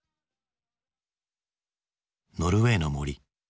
「ノルウェイの森」。